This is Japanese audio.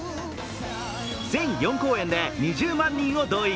全４公演で２０万人を動員。